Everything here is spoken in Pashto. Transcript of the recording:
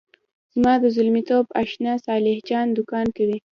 زما د زلمیتوب آشنا صالح جان دوکان کوي.